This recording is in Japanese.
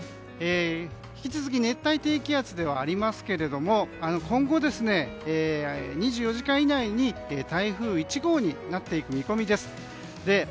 引き続き熱帯低気圧ではありますけれども今後、２４時間以内に台風１号になっていく見込みです。